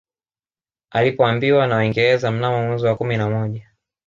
Alipoambiwa na Waingereza mnamo mwezi wa kumi na moja